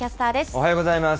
おはようございます。